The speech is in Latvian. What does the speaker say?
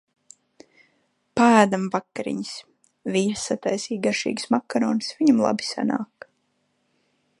Paēdam vakariņas. Vīrs sataisīja garšīgus makaronus, viņam labi sanāk.